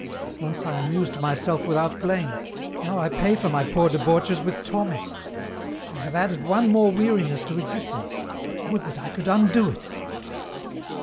Once I amused myself without blame, now I pay for my poor debauches with torments. I have added one more weariness to existence — would that I could undo it."